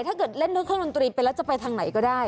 ถ้าเกิดเล่นด้วยเครื่องดนตรีไปแล้วจะไปทางไหนก็ได้